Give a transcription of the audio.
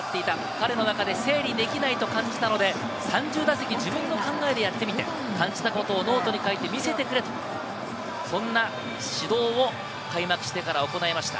彼の中で整理できないと感じたので、３０打席、自分の考えでやってみて、感じたことをノートに書いて見せてくれ、そんな指導を開幕してから行いました。